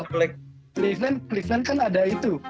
cleveland kan ada itu